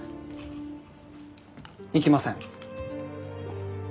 行きません。